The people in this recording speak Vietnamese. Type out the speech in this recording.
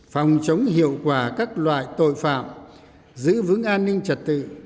phòng chống hiệu quả các loại tội phạm giữ vững an ninh trật tự